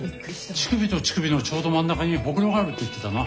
乳首と乳首のちょうど真ん中にホクロがあるって言ってたな。